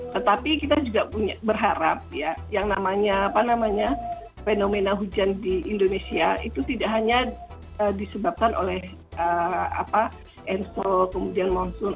tetapi kita juga berharap ya yang namanya fenomena hujan di indonesia itu tidak hanya disebabkan oleh ensol kemudian monsoon